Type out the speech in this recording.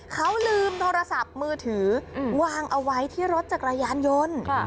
เขาลืมโทรศัพท์มือถือวางเอาไว้ที่รถจักรยานยนต์